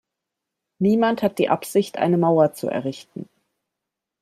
Niemand hat die Absicht eine Mauer zu errichten.